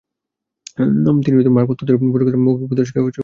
তিনি মার্গফল তত্ত্বের বজ্রকথা নামক মৌখিক উপদেশকে লিখে রাখেন।